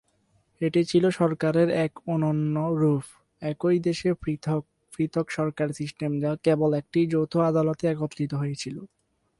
এটি ছিল সরকারের এক অনন্য রূপ, একই দেশে পৃথক পৃথক সরকারী সিস্টেম যা কেবল একটি যৌথ আদালতে একত্রিত হয়েছিল।